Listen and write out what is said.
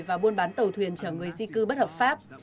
và buôn bán tàu thuyền chở người di cư bất hợp pháp